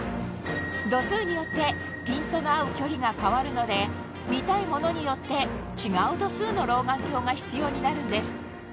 度数によってピントの合う距離が変わるので見たいものによって違う度数の老眼鏡が必要になるんです